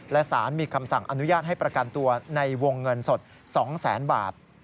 และสารมีคำสั่งอนุญาตให้ประกันตัวในวงเงินสด๒แสนบาท